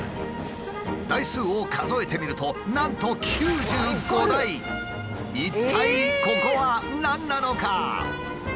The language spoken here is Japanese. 台数を数えてみるとなんと一体ここは何なのか？